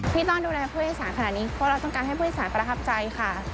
ที่ต้องดูแลผู้โดยสารขนาดนี้เพราะเราต้องการให้ผู้โดยสารประทับใจค่ะ